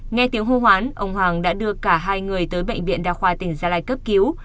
nghe tiếng hô hoán ông hoàng đã đưa cả hai người tới bệnh viện đa khoa tỉnh gia lai cấp cứu